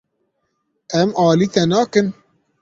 Em alî te nakin.